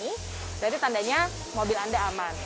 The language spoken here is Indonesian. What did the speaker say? berarti tandanya mobil anda aman